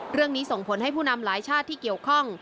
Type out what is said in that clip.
เรื่องนี้ส่งผลให้ผู้นำหลายชาติที่เกี่ยวข้อง